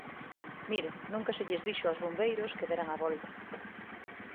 Mire, nunca se lles dixo aos bombeiros que deran a volta.